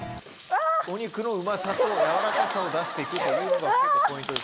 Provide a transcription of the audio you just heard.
お肉のうまさと軟らかさを出して行くというのがポイント。